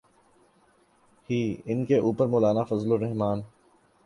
ہی، ان کے اوپر مولانا فضل الرحمن۔